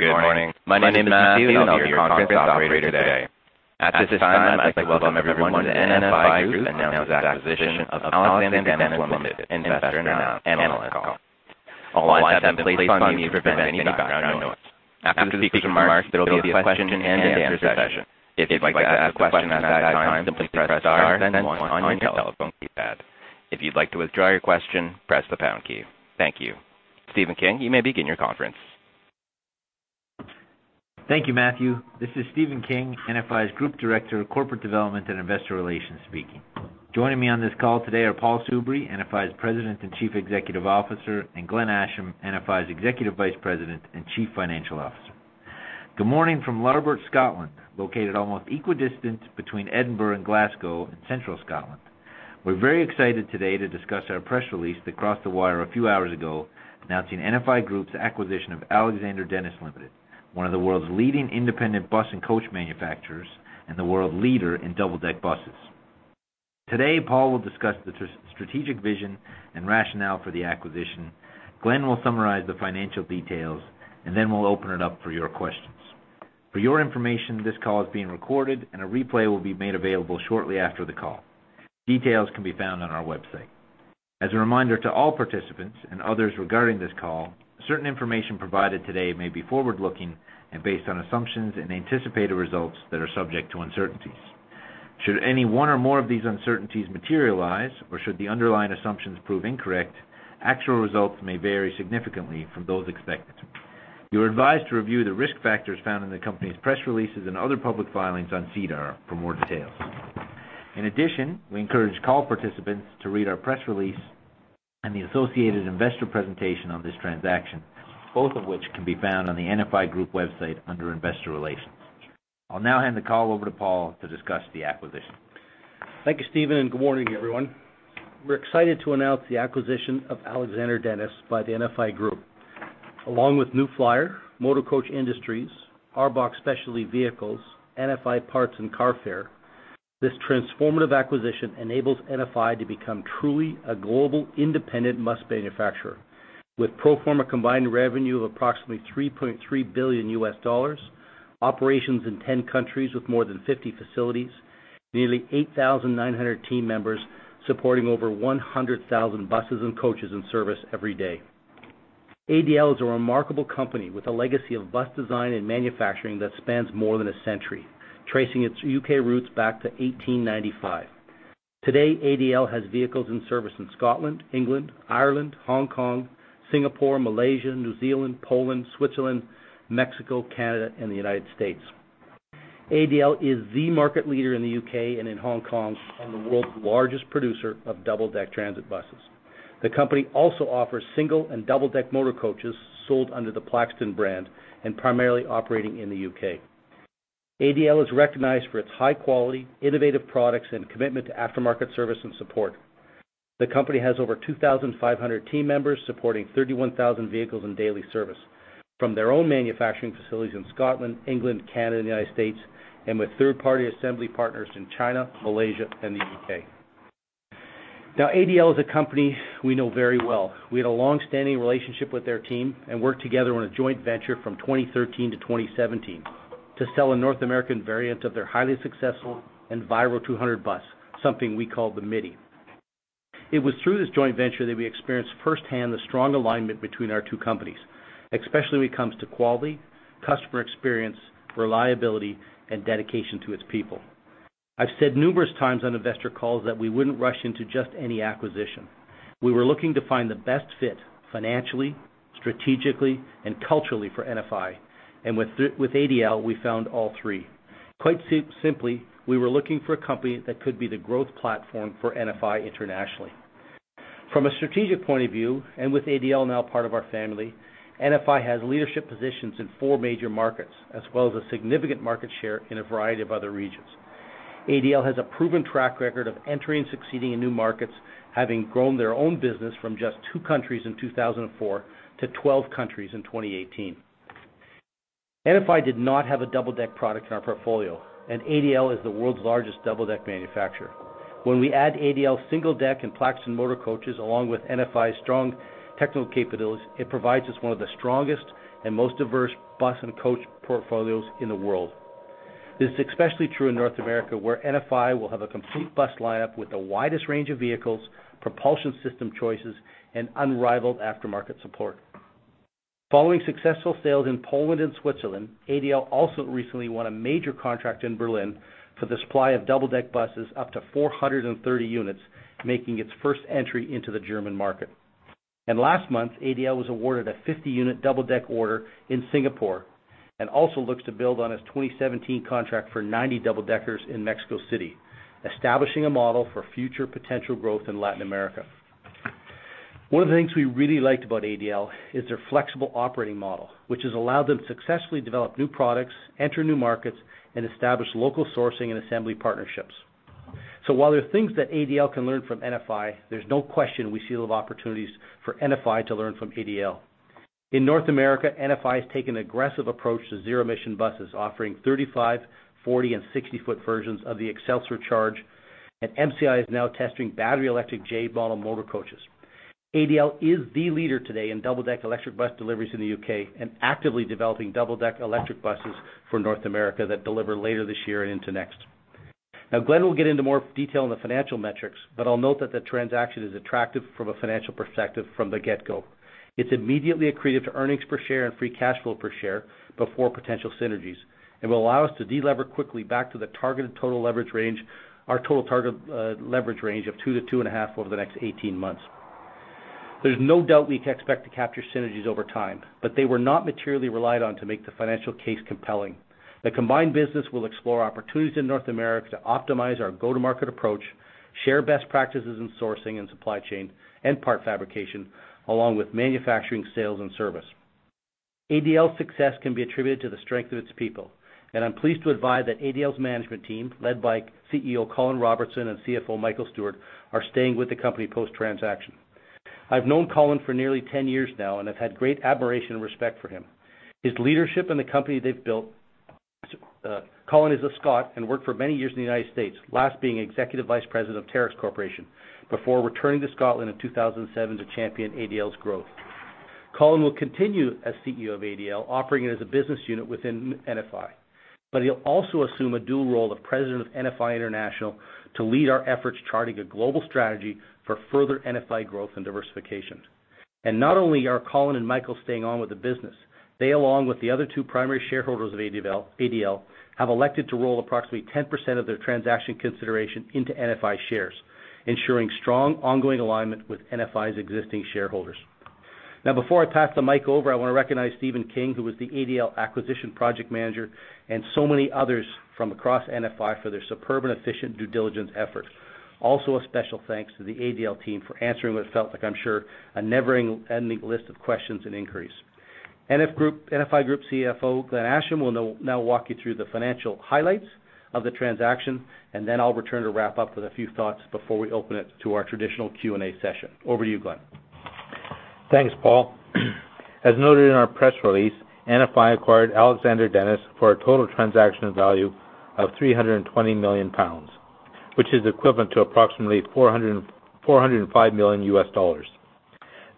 Good morning. My name is Matthew, and I'll be your conference operator today. At this time, I'd like to welcome everyone to the NFI Group announce acquisition of Alexander Dennis Limited investor and analyst call. All lines have been placed on mute to prevent any background noise. After the speaker remarks, there will be a question-and-answer session. If you'd like to ask a question at that time, simply press star then one on your telephone keypad. If you'd like to withdraw your question, press the pound key. Thank you. Stephen King, you may begin your conference. Thank you, Matthew. This is Stephen King, NFI's Group Director of Corporate Development and Investor Relations speaking. Joining me on this call today are Paul Soubry, NFI's President and Chief Executive Officer, Glenn Asham, NFI's Executive Vice President and Chief Financial Officer. Good morning from Larbert, Scotland, located almost equal distance between Edinburgh and Glasgow in central Scotland. We're very excited today to discuss our press release that crossed the wire a few hours ago announcing NFI Group's acquisition of Alexander Dennis Limited, one of the world's leading independent bus and coach manufacturers and the world leader in double-deck buses. Today, Paul will discuss the strategic vision and rationale for the acquisition, Glenn will summarize the financial details, then we'll open it up for your questions. For your information, this call is being recorded, a replay will be made available shortly after the call. Details can be found on our website. As a reminder to all participants, others regarding this call, certain information provided today may be forward-looking, based on assumptions and anticipated results that are subject to uncertainties. Should any one or more of these uncertainties materialize or should the underlying assumptions prove incorrect, actual results may vary significantly from those expected. You're advised to review the risk factors found in the company's press releases, other public filings on SEDAR for more details. In addition, we encourage call participants to read our press release and the associated investor presentation on this transaction, both of which can be found on the NFI Group website under investor relations. I'll now hand the call over to Paul to discuss the acquisition. Thank you, Stephen, good morning, everyone. We're excited to announce the acquisition of Alexander Dennis by the NFI Group. Along with New Flyer, Motor Coach Industries, ARBOC Specialty Vehicles, NFI Parts, Carfair Composites, this transformative acquisition enables NFI to become truly a global independent bus manufacturer with pro forma combined revenue of approximately $3.3 billion, operations in 10 countries with more than 50 facilities, nearly 8,900 team members supporting over 100,000 buses and coaches in service every day. ADL is a remarkable company with a legacy of bus design and manufacturing that spans more than a century, tracing its U.K. roots back to 1895. Today, ADL has vehicles in service in Scotland, England, Ireland, Hong Kong, Singapore, Malaysia, New Zealand, Poland, Switzerland, Mexico, Canada, the United States. ADL is the market leader in the U.K. and in Hong Kong and the world's largest producer of double-deck transit buses. The company also offers single and double-deck motor coaches sold under the Plaxton brand and primarily operating in the U.K. ADL is recognized for its high-quality, innovative products, and commitment to aftermarket service and support. The company has over 2,500 team members supporting 31,000 vehicles in daily service from their own manufacturing facilities in Scotland, England, Canada, and the United States, and with third-party assembly partners in China, Malaysia, and the U.K. ADL is a company we know very well. We had a long-standing relationship with their team and worked together on a joint venture from 2013 to 2017 to sell a North American variant of their highly successful Enviro200 bus, something we call the MiDi. It was through this joint venture that we experienced firsthand the strong alignment between our two companies, especially when it comes to quality, customer experience, reliability, and dedication to its people. I've said numerous times on investor calls that we wouldn't rush into just any acquisition. We were looking to find the best fit financially, strategically, and culturally for NFI. With ADL, we found all three. Quite simply, we were looking for a company that could be the growth platform for NFI internationally. From a strategic point of view, with ADL now part of our family, NFI has leadership positions in four major markets as well as a significant market share in a variety of other regions. ADL has a proven track record of entering and succeeding in new markets, having grown their own business from just 2 countries in 2004 to 12 countries in 2018. NFI did not have a double-deck product in our portfolio, and ADL is the world's largest double-deck manufacturer. When we add ADL single deck and Plaxton motor coaches along with NFI's strong technical capabilities, it provides us one of the strongest and most diverse bus and coach portfolios in the world. This is especially true in North America, where NFI will have a complete bus lineup with the widest range of vehicles, propulsion system choices, and unrivaled aftermarket support. Following successful sales in Poland and Switzerland, ADL also recently won a major contract in Berlin for the supply of double-deck buses up to 430 units, making its first entry into the German market. Last month, ADL was awarded a 50-unit double-deck order in Singapore and also looks to build on its 2017 contract for 90 double-deckers in Mexico City, establishing a model for future potential growth in Latin America. One of the things we really liked about ADL is their flexible operating model, which has allowed them to successfully develop new products, enter new markets, and establish local sourcing and assembly partnerships. While there are things that ADL can learn from NFI, there's no question we see a lot of opportunities for NFI to learn from ADL. In North America, NFI has taken an aggressive approach to zero-emission buses, offering 35, 40, and 60 foot versions of the Xcelsior CHARGE, and MCI is now testing battery electric J-model motor coaches. ADL is the leader today in double-deck electric bus deliveries in the U.K. and actively developing double-deck electric buses for North America that deliver later this year and into next. Glenn will get into more detail on the financial metrics, but I'll note that the transaction is attractive from a financial perspective from the get-go. It is immediately accretive to earnings per share and free cash flow per share before potential synergies and will allow us to de-lever quickly back to the targeted total leverage range, our total target leverage range of 2 to 2.5 over the next 18 months. There is no doubt we can expect to capture synergies over time, but they were not materially relied on to make the financial case compelling. The combined business will explore opportunities in North America to optimize our go-to-market approach, share best practices in sourcing and supply chain, and part fabrication, along with manufacturing, sales, and service. ADL's success can be attributed to the strength of its people, and I am pleased to advise that ADL's management team, led by CEO Colin Robertson and CFO Michael Stewart, are staying with the company post-transaction. I have known Colin for nearly 10 years now and have had great admiration and respect for him. His leadership in the company they have built. Colin is a Scot and worked for many years in the United States, last being Executive Vice President of Terex Corporation, before returning to Scotland in 2007 to champion ADL's growth. Colin will continue as CEO of ADL, operating as a business unit within NFI, but he will also assume a dual role of President of NFI International to lead our efforts charting a global strategy for further NFI growth and diversification. Not only are Colin and Michael staying on with the business, they, along with the other two primary shareholders of ADL, have elected to roll approximately 10% of their transaction consideration into NFI shares, ensuring strong, ongoing alignment with NFI's existing shareholders. Now, before I pass the mic over, I want to recognize Stephen King, who was the ADL acquisition project manager, and so many others from across NFI for their superb and efficient due diligence efforts. Also, a special thanks to the ADL team for answering what felt like, I am sure, a never-ending list of questions and inquiries. NFI Group CFO Glenn Asham will now walk you through the financial highlights of the transaction, and then I will return to wrap up with a few thoughts before we open it to our traditional Q&A session. Over to you, Glenn. Thanks, Paul. As noted in our press release, NFI acquired Alexander Dennis for a total transaction value of 320 million pounds, which is equivalent to approximately $405 million.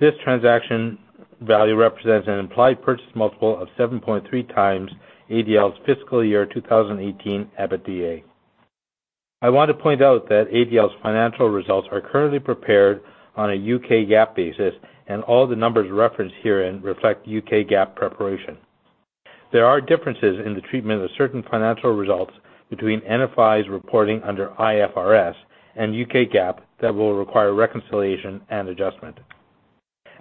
This transaction value represents an implied purchase multiple of 7.3x ADL's fiscal year 2018 EBITDA. I want to point out that ADL's financial results are currently prepared on a UK GAAP basis, and all the numbers referenced herein reflect UK GAAP preparation. There are differences in the treatment of certain financial results between NFI's reporting under IFRS and UK GAAP that will require reconciliation and adjustment.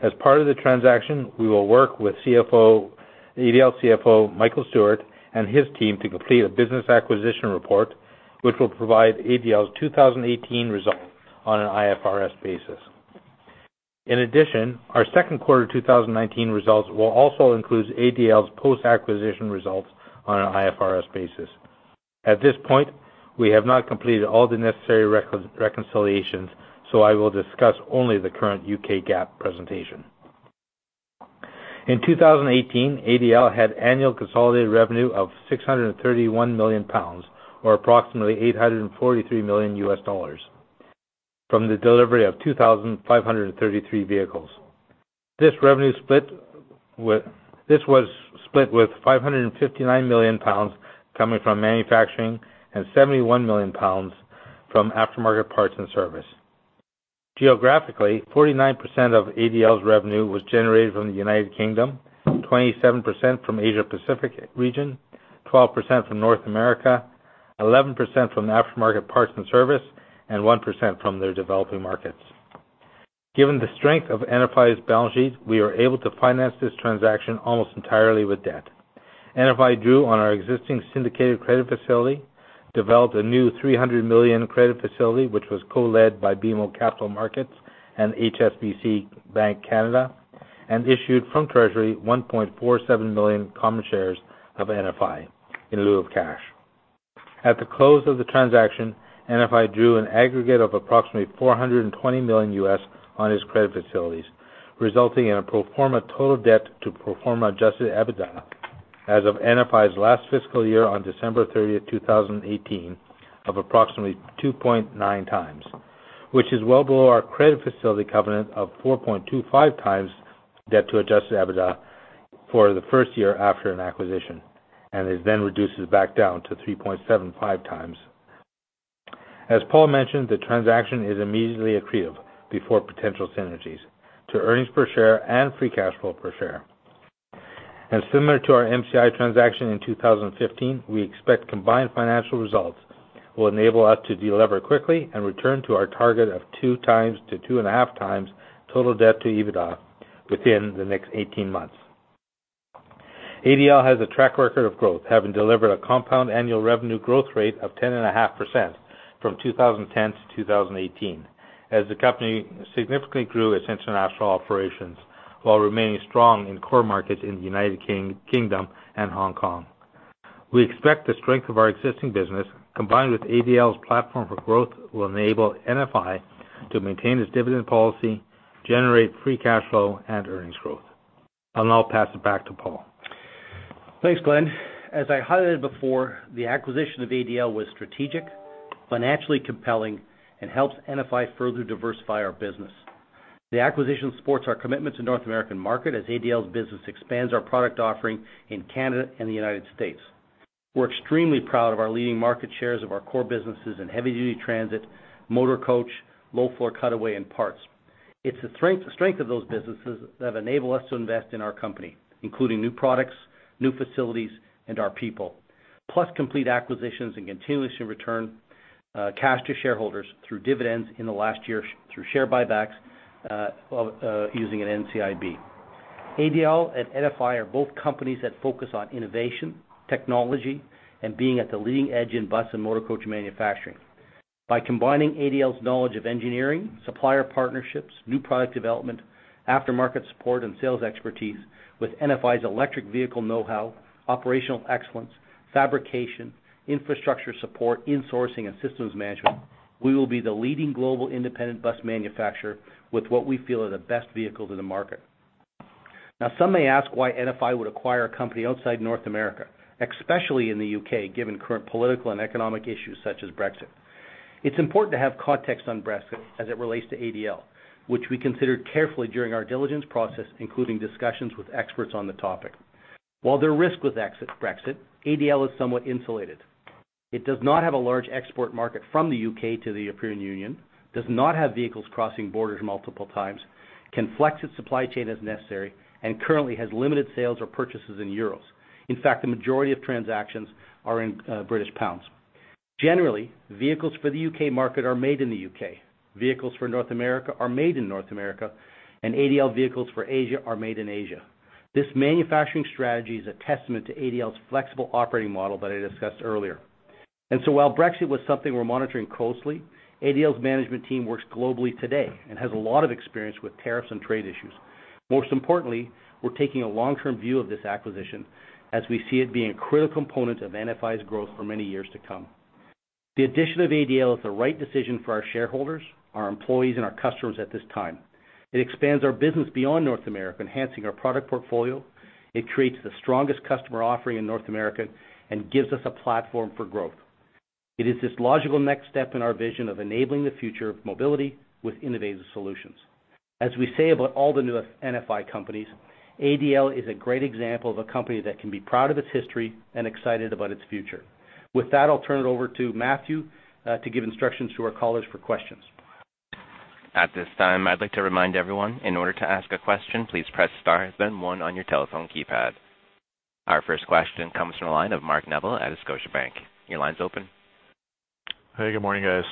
As part of the transaction, we will work with ADL CFO Michael Stewart and his team to complete a business acquisition report, which will provide ADL's 2018 results on an IFRS basis. In addition, our second quarter 2019 results will also include ADL's post-acquisition results on an IFRS basis. At this point, we have not completed all the necessary reconciliations. I will discuss only the current UK GAAP presentation. In 2018, ADL had annual consolidated revenue of 631 million pounds, or approximately $843 million, from the delivery of 2,533 vehicles. This was split with 559 million pounds coming from manufacturing and 71 million pounds from aftermarket parts and service. Geographically, 49% of ADL's revenue was generated from the U.K., 27% from Asia-Pacific, 12% from North America, 11% from the aftermarket parts and service, and 1% from their developing markets. Given the strength of NFI's balance sheet, we were able to finance this transaction almost entirely with debt. NFI drew on our existing syndicated credit facility, developed a new 300 million credit facility, which was co-led by BMO Capital Markets and HSBC Bank Canada. Issued from Treasury 1.47 million common shares of NFI in lieu of cash. At the close of the transaction, NFI drew an aggregate of approximately $420 million on its credit facilities, resulting in a pro forma total debt to pro forma adjusted EBITDA as of NFI's last fiscal year on December 30, 2018 of approximately 2.9 times. It is well below our credit facility covenant of 4.25 times debt to adjusted EBITDA for the first year after an acquisition. It then reduces back down to 3.75 times. As Paul mentioned, the transaction is immediately accretive before potential synergies to earnings per share and free cash flow per share. Similar to our MCI transaction in 2015, we expect combined financial results will enable us to de-lever quickly and return to our target of 2 times to 2.5 times total debt to EBITDA within the next 18 months. ADL has a track record of growth, having delivered a compound annual revenue growth rate of 10.5% from 2010 to 2018, as the company significantly grew its international operations while remaining strong in core markets in the U.K. and Hong Kong. We expect the strength of our existing business, combined with ADL's platform for growth, will enable NFI to maintain its dividend policy, generate free cash flow, and earnings growth. I will now pass it back to Paul. Thanks, Glenn. As I highlighted before, the acquisition of ADL was strategic, financially compelling, and helps NFI further diversify our business. The acquisition supports our commitment to North American market as ADL's business expands our product offering in Canada and the U.S. We're extremely proud of our leading market shares of our core businesses in heavy duty transit, motor coach, low-floor cutaway, and parts. It's the strength of those businesses that have enabled us to invest in our company, including new products, new facilities, and our people, plus complete acquisitions and continuously return cash to shareholders through dividends in the last year, through share buybacks, using an NCIB. ADL and NFI are both companies that focus on innovation, technology, and being at the leading edge in bus and motor coach manufacturing. By combining ADL's knowledge of engineering, supplier partnerships, new product development, aftermarket support, and sales expertise with NFI's electric vehicle knowhow, operational excellence, fabrication, infrastructure support, insourcing, and systems management, we will be the leading global independent bus manufacturer with what we feel are the best vehicles in the market. Now, some may ask why NFI would acquire a company outside North America, especially in the U.K., given current political and economic issues such as Brexit. It is important to have context on Brexit as it relates to ADL, which we considered carefully during our diligence process, including discussions with experts on the topic. While there are risks with Brexit, ADL is somewhat insulated. It does not have a large export market from the U.K. to the European Union, does not have vehicles crossing borders multiple times, can flex its supply chain as necessary, and currently has limited sales or purchases in EUR. In fact, the majority of transactions are in GBP. Generally, vehicles for the U.K. market are made in the U.K., vehicles for North America are made in North America, and ADL vehicles for Asia are made in Asia. This manufacturing strategy is a testament to ADL's flexible operating model that I discussed earlier. While Brexit was something we are monitoring closely, ADL's management team works globally today and has a lot of experience with tariffs and trade issues. Most importantly, we are taking a long-term view of this acquisition as we see it being a critical component of NFI's growth for many years to come. The addition of ADL is the right decision for our shareholders, our employees, and our customers at this time. It expands our business beyond North America, enhancing our product portfolio. It creates the strongest customer offering in North America and gives us a platform for growth. It is this logical next step in our vision of enabling the future of mobility with innovative solutions. As we say about all the new NFI companies, ADL is a great example of a company that can be proud of its history and excited about its future. With that, I will turn it over to Matthew, to give instructions to our callers for questions. At this time, I would like to remind everyone, in order to ask a question, please press star then one on your telephone keypad. Our first question comes from the line of Mark Neville at Scotiabank. Your line is open. Hey, good morning, guys.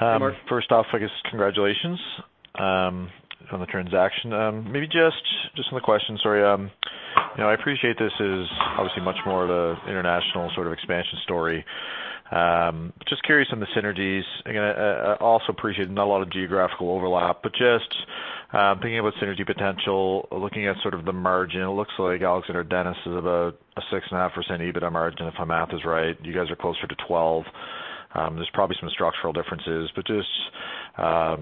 Hey, Mark. First off, I guess, congratulations on the transaction. Sorry. I appreciate this is obviously much more of the international expansion story. Curious on the synergies. Again, I also appreciate not a lot of geographical overlap, but just thinking about synergy potential, looking at the margin, it looks like Alexander Dennis is about a 6.5% EBITDA margin, if my math is right. You guys are closer to 12%. There's probably some structural differences, but just how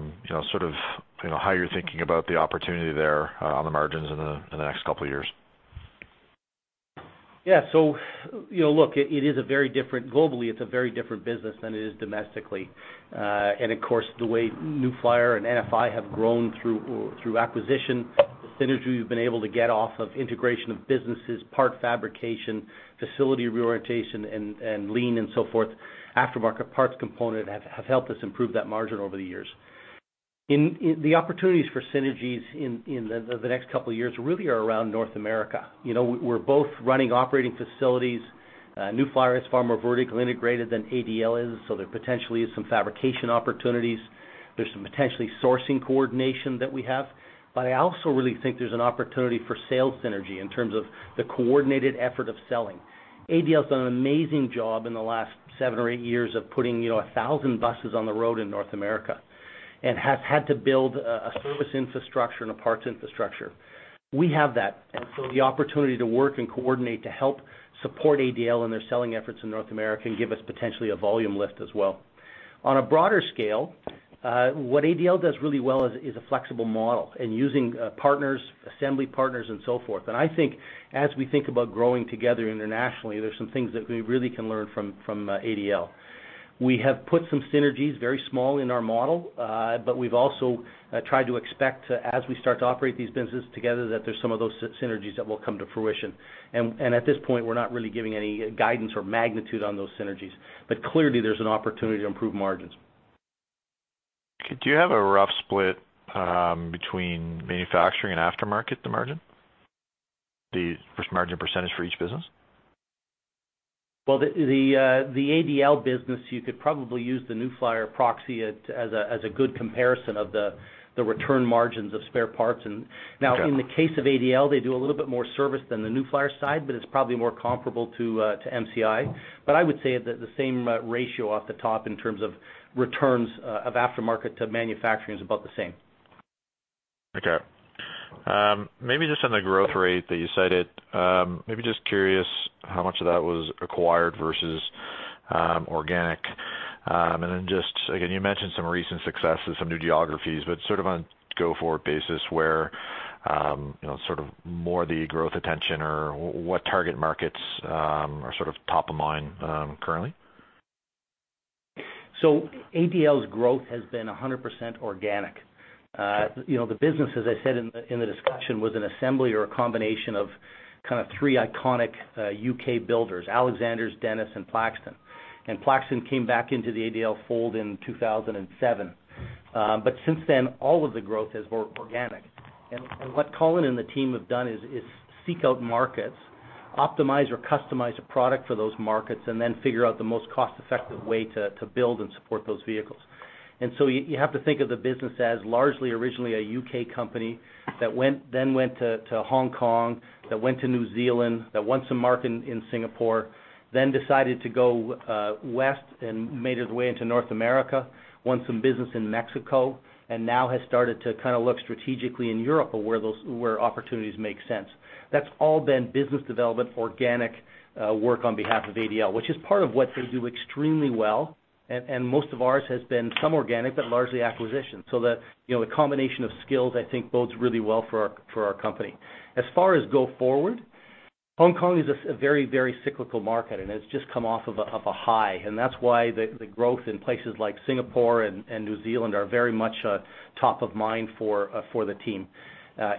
you're thinking about the opportunity there on the margins in the next couple of years. Yeah. Look, globally, it's a very different business than it is domestically. Of course, the way New Flyer and NFI have grown through acquisition, the synergy we've been able to get off of integration of businesses, part fabrication, facility reorientation, and lean and so forth, aftermarket parts component have helped us improve that margin over the years. The opportunities for synergies in the next couple of years really are around North America. We're both running operating facilities. New Flyer is far more vertically integrated than ADL is, so there potentially is some fabrication opportunities. There's some potentially sourcing coordination that we have, but I also really think there's an opportunity for sales synergy in terms of the coordinated effort of selling. ADL has done an amazing job in the last 7 or 8 years of putting 1,000 buses on the road in North America, and has had to build a service infrastructure and a parts infrastructure. We have that, and so the opportunity to work and coordinate to help support ADL in their selling efforts in North America can give us potentially a volume lift as well. On a broader scale, what ADL does really well is a flexible model and using assembly partners and so forth. I think as we think about growing together internationally, there is some things that we really can learn from ADL. We have put some synergies, very small in our model, but we've also tried to expect as we start to operate these businesses together, that there's some of those synergies that will come to fruition. At this point, we're not really giving any guidance or magnitude on those synergies, but clearly, there's an opportunity to improve margins. Do you have a rough split between manufacturing and aftermarket, the margin? The margin percentage for each business? Well, the ADL business, you could probably use the New Flyer proxy as a good comparison of the return margins of spare parts. Okay. In the case of ADL, they do a little bit more service than the New Flyer side, but it is probably more comparable to MCI. I would say that the same ratio off the top in terms of returns of aftermarket to manufacturing is about the same. Maybe just on the growth rate that you cited, maybe just curious how much of that was acquired versus organic? Just again, you mentioned some recent successes, some new geographies, sort of on a go-forward basis where, sort of more the growth attention or what target markets are sort of top of mind currently? ADL's growth has been 100% organic. The business, as I said in the discussion, was an assembly or a combination of kind of three iconic U.K. builders, Alexander, Dennis and Plaxton. Plaxton came back into the ADL fold in 2007. Since then, all of the growth has been organic. What Colin and the team have done is seek out markets, optimize or customize a product for those markets, then figure out the most cost-effective way to build and support those vehicles. You have to think of the business as largely originally a U.K. company that then went to Hong Kong, that went to New Zealand, that won some market in Singapore, then decided to go west and made its way into North America, won some business in Mexico, and now has started to kind of look strategically in Europe where opportunities make sense. That's all been business development, organic work on behalf of ADL, which is part of what they do extremely well. Most of ours has been some organic, but largely acquisition. The combination of skills, I think bodes really well for our company. As far as go forward, Hong Kong is a very, very cyclical market, and it's just come off of a high. That's why the growth in places like Singapore and New Zealand are very much top of mind for the team.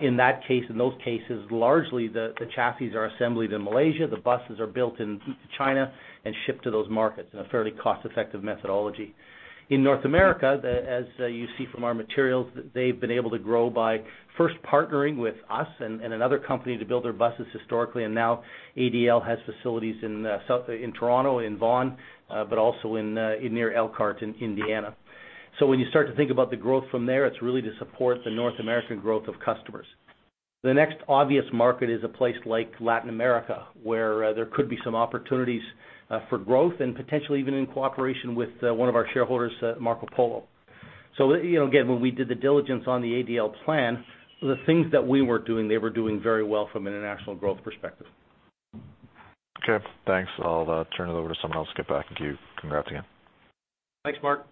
In those cases, largely the chassis are assembled in Malaysia. The buses are built in China and shipped to those markets in a fairly cost-effective methodology. In North America, as you see from our materials, they've been able to grow by first partnering with us and another company to build their buses historically. Now ADL has facilities in Toronto, in Vaughan, but also near Elkhart in Indiana. When you start to think about the growth from there, it's really to support the North American growth of customers. The next obvious market is a place like Latin America, where there could be some opportunities for growth and potentially even in cooperation with one of our shareholders, Marcopolo. Again, when we did the diligence on the ADL plan, the things that we were doing, they were doing very well from an international growth perspective. Okay, thanks. I'll turn it over to someone else. Skip back to you. Congrats again. Thanks, Mark.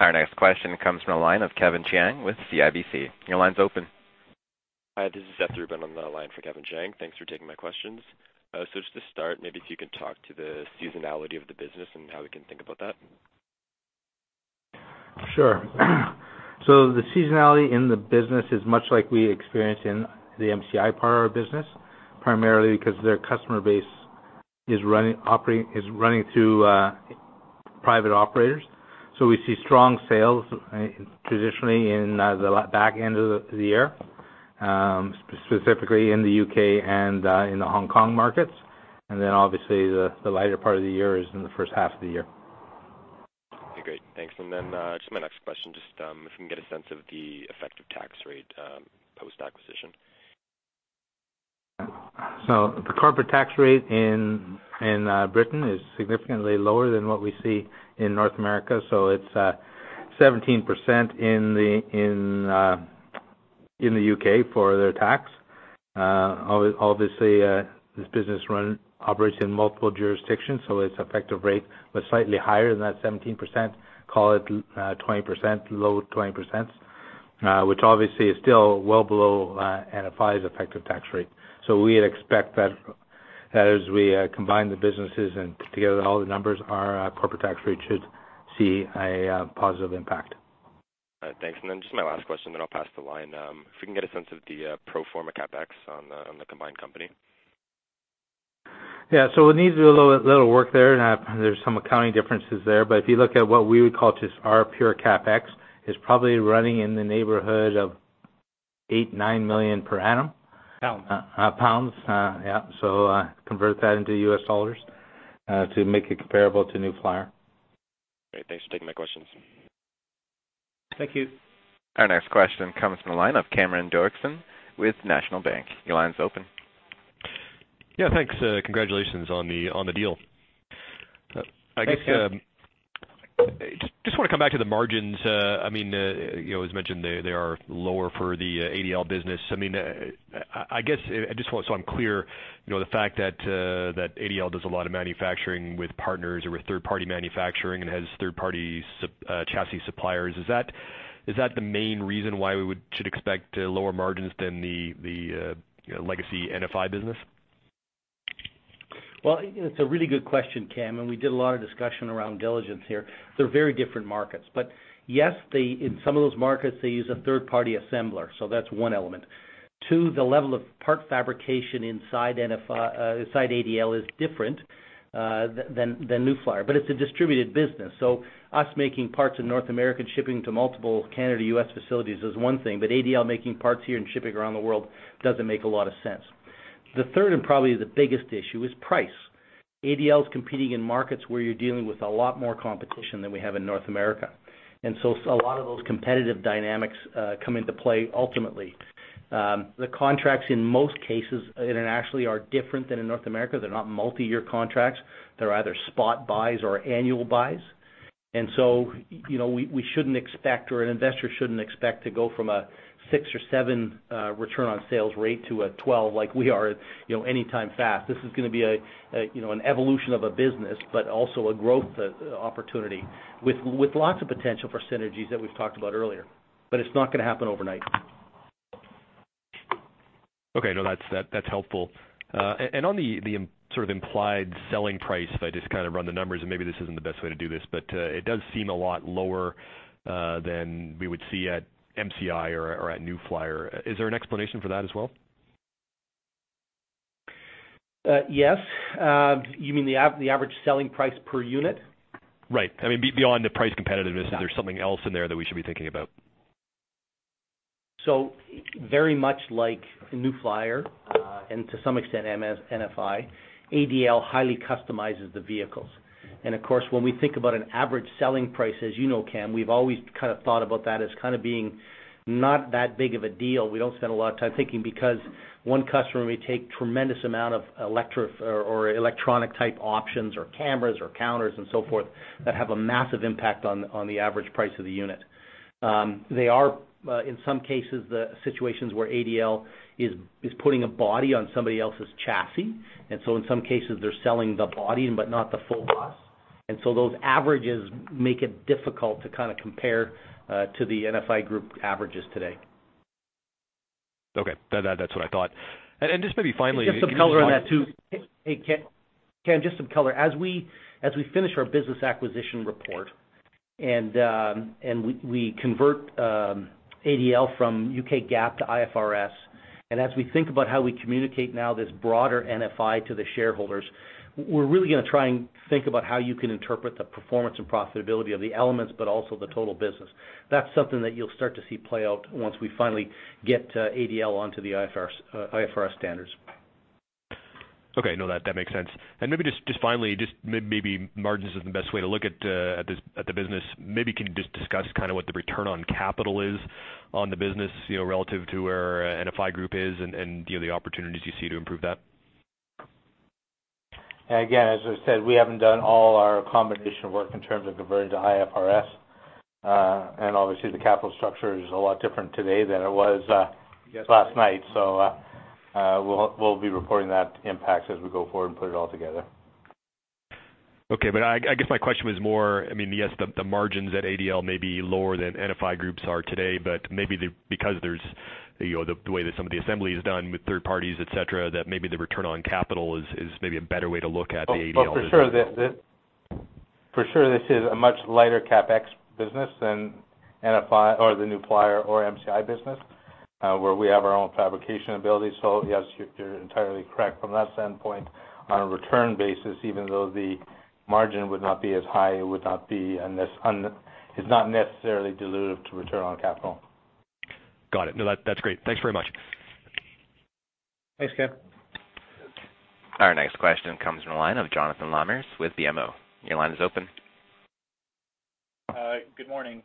Our next question comes from the line of Kevin Chiang with CIBC. Your line's open. Hi, this is Seth Rubin on the line for Kevin Chiang. Thanks for taking my questions. Just to start, maybe if you could talk to the seasonality of the business and how we can think about that. Sure. The seasonality in the business is much like we experience in the MCI part of our business, primarily because their customer base is running through private operators. We see strong sales traditionally in the back end of the year, specifically in the U.K. and in the Hong Kong markets. Obviously the lighter part of the year is in the first half of the year. Okay, great. Thanks. Just my next question, just if we can get a sense of the effective tax rate post-acquisition. The corporate tax rate in Britain is significantly lower than what we see in North America. It's 17% in the U.K. for their tax. Obviously, this business operates in multiple jurisdictions, so its effective rate was slightly higher than that 17%, call it low 20%, which obviously is still well below NFI's effective tax rate. We'd expect that as we combine the businesses and put together all the numbers, our corporate tax rate should see a positive impact. Thanks. Just my last question, then I'll pass the line. If we can get a sense of the pro forma CapEx on the combined company. It needs a little work there, and there's some accounting differences there. If you look at what we would call just our pure CapEx, it's probably running in the neighborhood of 8 million, 9 million per annum. Pound. Pounds. Convert that into US dollars to make it comparable to New Flyer. Great. Thanks for taking my questions. Thank you. Our next question comes from the line of Cameron Doerksen with National Bank. Your line's open. Yeah. Thanks. Congratulations on the deal. Thanks, Cam. I guess, just want to come back to the margins. As mentioned, they are lower for the ADL business. I guess, just so I'm clear, the fact that ADL does a lot of manufacturing with partners or with third-party manufacturing and has third-party chassis suppliers, is that the main reason why we should expect lower margins than the legacy NFI business? Well, it's a really good question, Cam, we did a lot of discussion around diligence here. They're very different markets. Yes, in some of those markets, they use a third-party assembler. That's one element. Two, the level of part fabrication inside ADL is different than New Flyer. It's a distributed business, us making parts in North America and shipping to multiple Canada, U.S. facilities is one thing, but ADL making parts here and shipping around the world doesn't make a lot of sense. The third, probably the biggest issue, is price. ADL is competing in markets where you're dealing with a lot more competition than we have in North America, a lot of those competitive dynamics come into play ultimately. The contracts, in most cases internationally, are different than in North America. They're not multi-year contracts. They're either spot buys or annual buys. We shouldn't expect, or an investor shouldn't expect to go from a six or seven return on sales rate to a 12 like we are anytime fast. This is going to be an evolution of a business, but also a growth opportunity with lots of potential for synergies that we've talked about earlier. It's not going to happen overnight. No, that's helpful. On the sort of implied selling price, if I just run the numbers, and maybe this isn't the best way to do this, but it does seem a lot lower than we would see at MCI or at New Flyer. Is there an explanation for that as well? Yes. You mean the average selling price per unit? Right. I mean, beyond the price competitiveness, is there something else in there that we should be thinking about? Very much like New Flyer, and to some extent NFI, ADL highly customizes the vehicles. Of course, when we think about an average selling price, as you know, Cam, we've always kind of thought about that as being not that big of a deal. We don't spend a lot of time thinking because one customer may take tremendous amount of electronic type options or cameras or counters and so forth that have a massive impact on the average price of the unit. They are, in some cases, the situations where ADL is putting a body on somebody else's chassis. In some cases they're selling the body but not the full bus. Those averages make it difficult to compare to the NFI Group averages today. Okay. That's what I thought. Just maybe finally- Just some color on that, too. Hey, Cam, just some color. As we finish our business acquisition report and we convert ADL from UK GAAP to IFRS, and as we think about how we communicate now this broader NFI to the shareholders, we're really going to try and think about how you can interpret the performance and profitability of the elements, but also the total business. That's something that you'll start to see play out once we finally get ADL onto the IFRS standards. Okay. No, that makes sense. Maybe just finally, just maybe margins isn't the best way to look at the business. Maybe can you just discuss what the return on capital is on the business, relative to where NFI Group is and the opportunities you see to improve that? Again, as I said, we haven't done all our accommodation work in terms of converting to IFRS. Obviously the capital structure is a lot different today than it was last night. We'll be reporting that impact as we go forward and put it all together. Okay. I guess my question was more, yes, the margins at ADL may be lower than NFI Group's are today, maybe because there's the way that some of the assembly is done with third parties, et cetera, that maybe the return on capital is maybe a better way to look at the ADL business. For sure, this is a much lighter CapEx business than NFI or the New Flyer or MCI business, where we have our own fabrication ability. Yes, you're entirely correct from that standpoint. On a return basis, even though the margin would not be as high, it is not necessarily dilutive to return on capital. Got it. That's great. Thanks very much. Thanks, Cam. Our next question comes from the line of Jonathan Lamers with BMO. Your line is open. Good morning.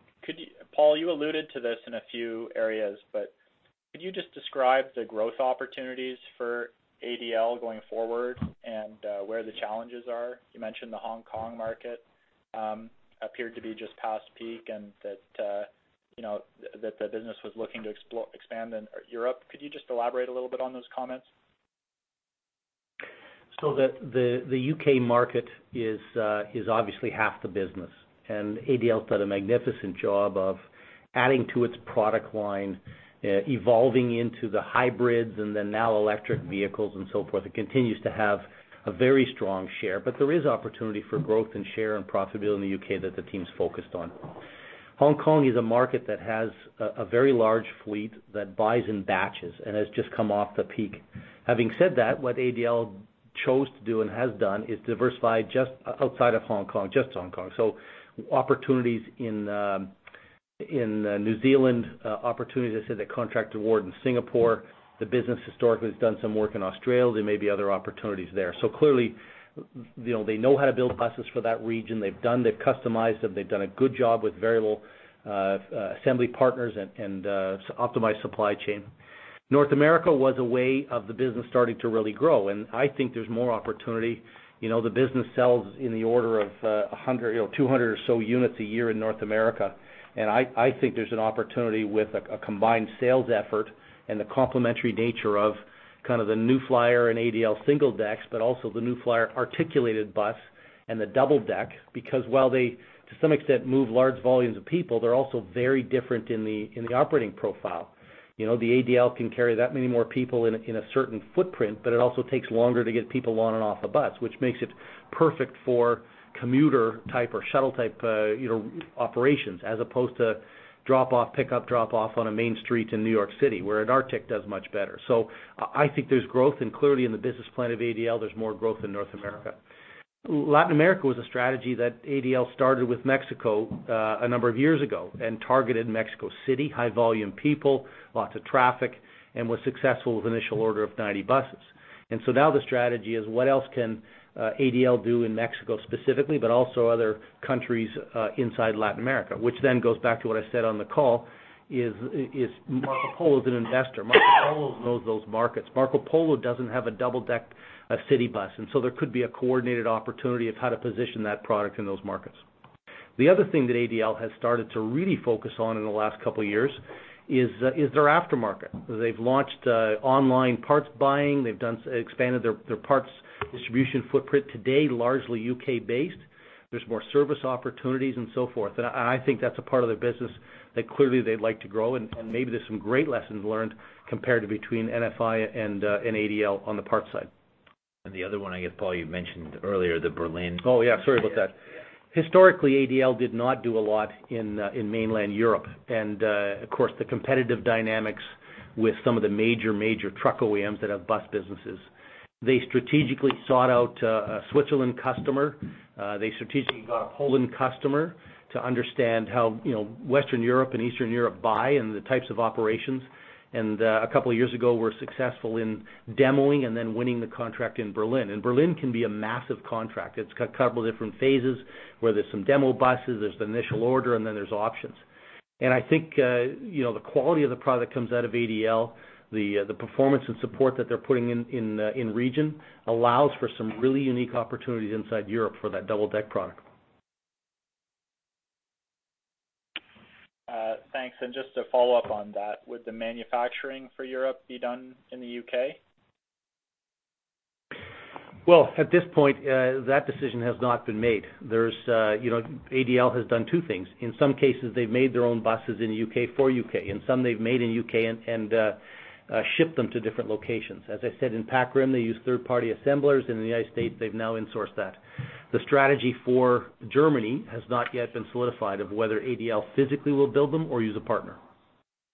Paul, you alluded to this in a few areas, could you just describe the growth opportunities for ADL going forward and where the challenges are? You mentioned the Hong Kong market appeared to be just past peak and that the business was looking to expand in Europe. Could you just elaborate a little bit on those comments? The U.K. market is obviously half the business, and ADL's done a magnificent job of adding to its product line, evolving into the hybrids and then now electric vehicles and so forth. It continues to have a very strong share. There is opportunity for growth and share and profitability in the U.K. that the team's focused on. Hong Kong is a market that has a very large fleet that buys in batches and has just come off the peak. Having said that, what ADL chose to do and has done is diversify just outside of Hong Kong, just Hong Kong. Opportunities in New Zealand, opportunities, I said, the contract award in Singapore, the business historically has done some work in Australia. There may be other opportunities there. Clearly, they know how to build buses for that region. They've done, they've customized them. They've done a good job with variable assembly partners and optimized supply chain. North America was a way of the business starting to really grow, I think there's more opportunity. The business sells in the order of 100, 200 or so units a year in North America. I think there's an opportunity with a combined sales effort and the complementary nature of kind of the New Flyer and ADL single decks, but also the New Flyer articulated bus and the double deck. While they, to some extent, move large volumes of people, they're also very different in the operating profile. The ADL can carry that many more people in a certain footprint, but it also takes longer to get people on and off a bus, which makes it perfect for commuter type or shuttle type operations as opposed to drop off, pick up, drop off on a main street in New York City where an artic does much better. I think there's growth, and clearly in the business plan of ADL, there's more growth in North America. Latin America was a strategy that ADL started with Mexico a number of years ago and targeted Mexico City, high volume people, lots of traffic, and was successful with initial order of 90 buses. Now the strategy is what else can ADL do in Mexico specifically, but also other countries inside Latin America. Which then goes back to what I said on the call, Marcopolo is an investor. Marcopolo knows those markets. Marcopolo doesn't have a double-deck city bus. There could be a coordinated opportunity of how to position that product in those markets. The other thing that ADL has started to really focus on in the last couple of years is their aftermarket. They've launched online parts buying. They've expanded their parts distribution footprint, today largely U.K.-based. There's more service opportunities and so forth. I think that's a part of their business that clearly they'd like to grow, and maybe there's some great lessons learned compared to between NFI and ADL on the parts side. The other one, I guess, Paul, you mentioned earlier, the Berlin. Oh, yeah, sorry about that. Historically, ADL did not do a lot in mainland Europe. Of course, the competitive dynamics with some of the major truck OEMs that have bus businesses. They strategically sought out a Switzerland customer. They strategically got a Poland customer to understand how Western Europe and Eastern Europe buy and the types of operations. A couple of years ago, were successful in demoing and then winning the contract in Berlin. Berlin can be a massive contract. It's got a couple of different phases where there's some demo buses, there's the initial order, and then there's options. I think the quality of the product comes out of ADL. The performance and support that they're putting in region allows for some really unique opportunities inside Europe for that double-deck product. Thanks. Just to follow up on that, would the manufacturing for Europe be done in the U.K.? Well, at this point, that decision has not been made. ADL has done two things. In some cases, they've made their own buses in the U.K. for U.K., and some they've made in U.K. and shipped them to different locations. As I said, in Asia-Pacific, they use third-party assemblers. In the United States, they've now insourced that. The strategy for Germany has not yet been solidified of whether ADL physically will build them or use a partner.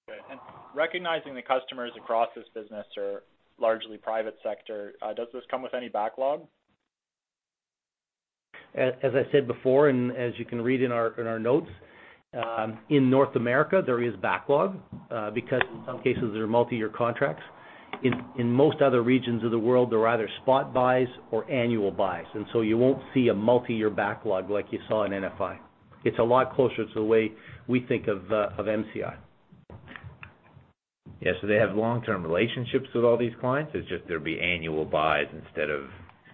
Okay. Recognizing the customers across this business are largely private sector, does this come with any backlog? As I said before, and as you can read in our notes, in North America, there is backlog because in some cases, there are multi-year contracts. In most other regions of the world, they're either spot buys or annual buys, and so you won't see a multi-year backlog like you saw in NFI. It's a lot closer to the way we think of MCI. Yes. They have long-term relationships with all these clients. It's just there'll be annual buys instead of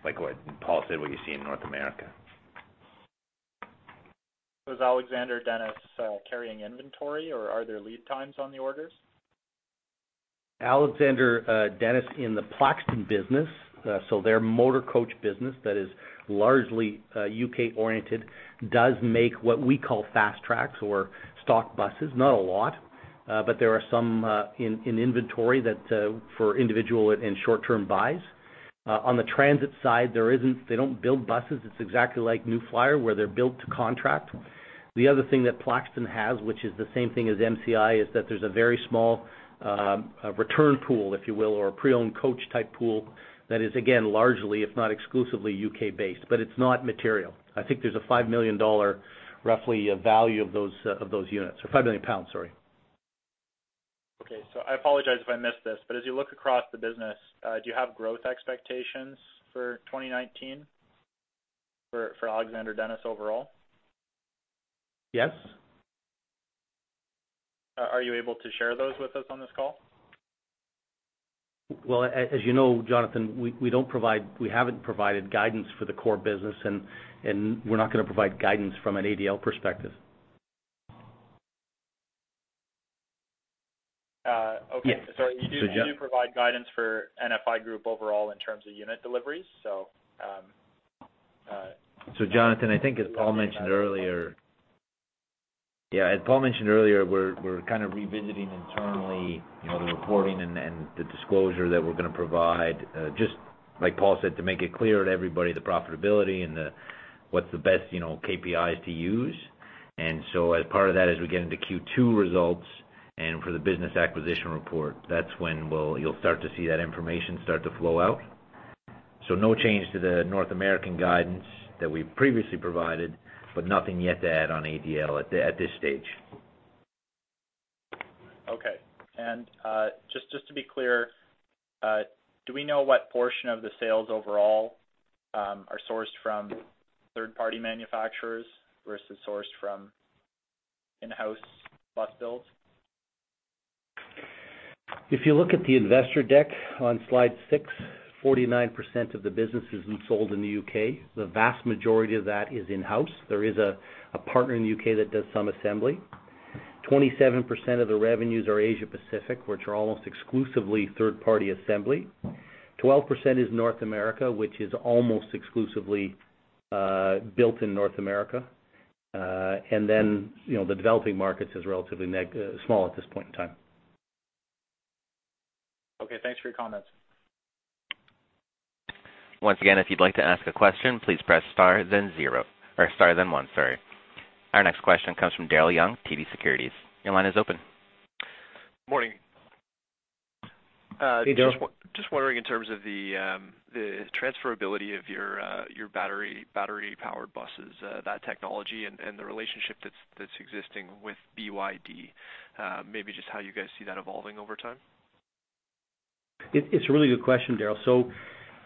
like what Paul said, what you see in North America. Was Alexander Dennis carrying inventory, or are there lead times on the orders? Alexander Dennis in the Plaxton business, so their motor coach business that is largely U.K.-oriented, does make what we call fast tracks or stock buses. Not a lot, but there are some in inventory that for individual and short-term buys. On the transit side, they don't build buses. It's exactly like New Flyer, where they're built to contract. The other thing that Plaxton has, which is the same thing as MCI, is that there's a very small return pool, if you will, or a pre-owned coach type pool that is, again, largely, if not exclusively, U.K.-based, but it's not material. I think there's a GBP 5 million roughly value of those units, or 5 million pounds, sorry. Okay. I apologize if I missed this, but as you look across the business, do you have growth expectations for 2019 for Alexander Dennis overall? Yes. Are you able to share those with us on this call? Well, as you know, Jonathan, we haven't provided guidance for the core business, and we're not going to provide guidance from an ADL perspective. Okay. Yes. You do provide guidance for NFI Group overall in terms of unit deliveries. Jonathan, I think as Paul mentioned earlier, we're kind of revisiting internally the reporting and the disclosure that we're going to provide. Just like Paul said, to make it clear to everybody the profitability and what's the best KPIs to use. As part of that, as we get into Q2 results and for the business acquisition report, that's when you'll start to see that information start to flow out. No change to the North American guidance that we previously provided, but nothing yet to add on ADL at this stage. Okay. Just to be clear, do we know what portion of the sales overall are sourced from third-party manufacturers versus sourced from in-house bus builds? If you look at the investor deck on slide six, 49% of the business is sold in the U.K. The vast majority of that is in-house. There is a partner in the U.K. that does some assembly. 27% of the revenues are Asia-Pacific, which are almost exclusively third-party assembly. 12% is North America, which is almost exclusively built in North America. The developing markets is relatively small at this point in time. Okay. Thanks for your comments. Once again, if you'd like to ask a question, please press star then one. Our next question comes from Daryl Young, TD Securities. Your line is open. Morning. Hey, Daryl. Just wondering in terms of the transferability of your battery-powered buses, that technology, and the relationship that's existing with BYD, maybe just how you guys see that evolving over time. It's a really good question, Daryl.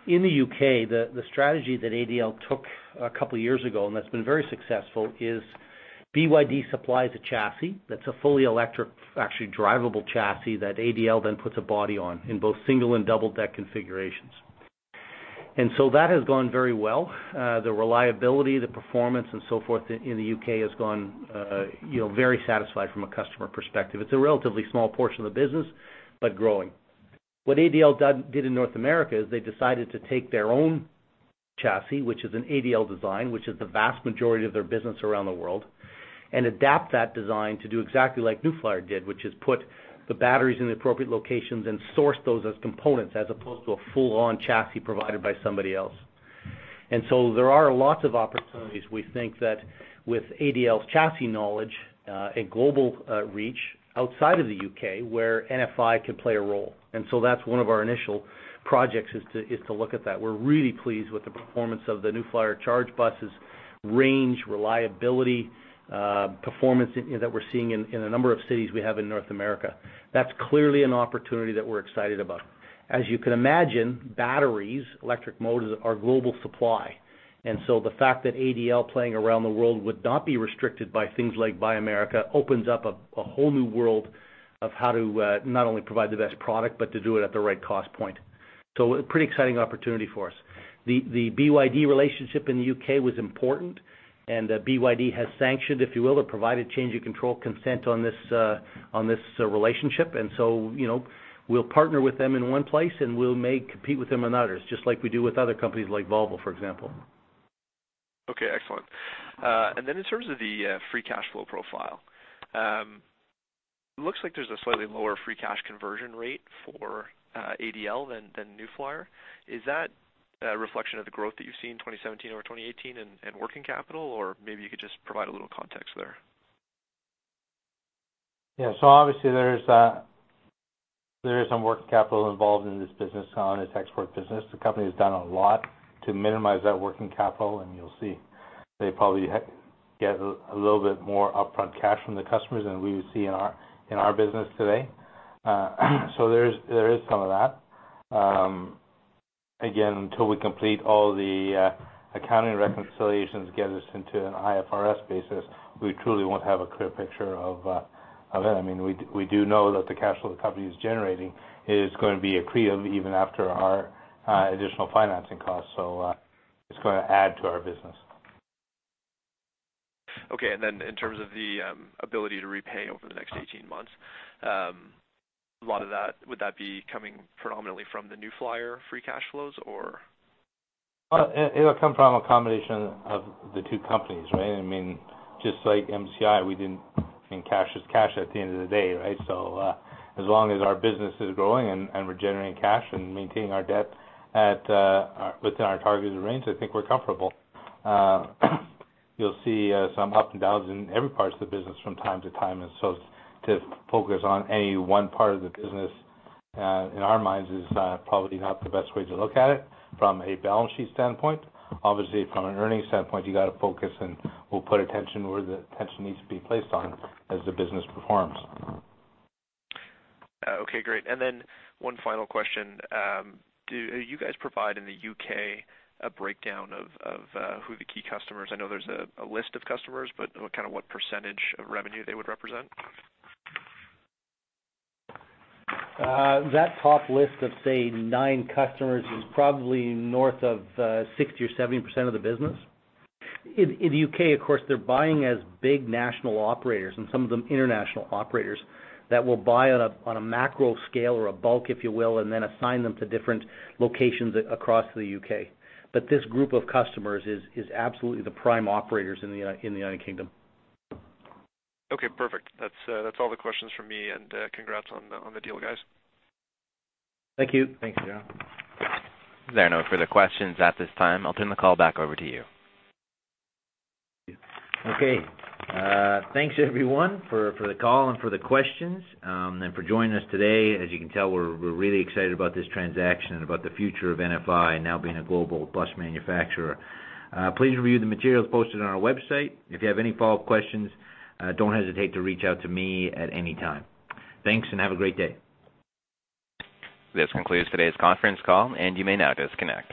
In the U.K., the strategy that ADL took a couple of years ago, and that's been very successful, is BYD supplies a chassis that's a fully electric, actually drivable chassis that ADL then puts a body on in both single and double-deck configurations. That has gone very well. The reliability, the performance, and so forth in the U.K. has gone very satisfied from a customer perspective. It's a relatively small portion of the business, but growing. What ADL did in North America is they decided to take their own chassis, which is an ADL design, which is the vast majority of their business around the world, and adapt that design to do exactly like New Flyer did, which is put the batteries in the appropriate locations and source those as components as opposed to a full-on chassis provided by somebody else. There are lots of opportunities we think that with ADL's chassis knowledge and global reach outside of the U.K., where NFI can play a role. That's one of our initial projects, is to look at that. We're really pleased with the performance of the New Flyer charge buses, range, reliability, performance that we're seeing in a number of cities we have in North America. That's clearly an opportunity that we're excited about. As you can imagine, batteries, electric motors are global supply, the fact that ADL playing around the world would not be restricted by things like Buy America opens up a whole new world of how to not only provide the best product, but to do it at the right cost point. A pretty exciting opportunity for us. The BYD relationship in the U.K. was important, BYD has sanctioned, if you will, or provided change in control consent on this relationship. We'll partner with them in one place, and we may compete with them in others, just like we do with other companies like Volvo, for example. Okay, excellent. In terms of the free cash flow profile, looks like there's a slightly lower free cash conversion rate for ADL than New Flyer. Is that a reflection of the growth that you've seen in 2017 over 2018 and working capital? Maybe you could just provide a little context there. Yeah. Obviously there is some working capital involved in this business on its export business. The company has done a lot to minimize that working capital, and you'll see they probably get a little bit more upfront cash from the customers than we would see in our business today. There is some of that. Again, until we complete all the accounting reconciliations, get us into an IFRS basis, we truly won't have a clear picture of it. I mean, we do know that the cash flow the company is generating is going to be accretive even after our additional financing costs. It's going to add to our business. Okay. In terms of the ability to repay over the next 18 months, a lot of that, would that be coming predominantly from the New Flyer free cash flows or? Well, it'll come from a combination of the two companies, right? I mean, just like MCI, cash is cash at the end of the day, right? As long as our business is growing and we're generating cash and maintaining our debt within our targeted range, I think we're comfortable. You'll see some ups and downs in every part of the business from time to time, and to focus on any one part of the business, in our minds, is probably not the best way to look at it from a balance sheet standpoint. Obviously, from an earnings standpoint, you got to focus, and we'll put attention where the attention needs to be placed on as the business performs. Okay, great. One final question. Do you guys provide in the U.K. a breakdown of who the key customers are? I know there's a list of customers, but kind of what % of revenue they would represent. That top list of, say, nine customers is probably north of 60% or 70% of the business. In the U.K., of course, they're buying as big national operators, and some of them international operators that will buy on a macro scale or a bulk, if you will, and then assign them to different locations across the U.K. This group of customers is absolutely the prime operators in the United Kingdom. Okay, perfect. That's all the questions from me. Congrats on the deal, guys. Thank you. Thanks, Daryl. There are no further questions at this time. I'll turn the call back over to you. Okay. Thanks everyone for the call and for the questions, and for joining us today. As you can tell, we're really excited about this transaction and about the future of NFI now being a global bus manufacturer. Please review the materials posted on our website. If you have any follow-up questions, don't hesitate to reach out to me at any time. Thanks and have a great day. This concludes today's conference call, and you may now disconnect.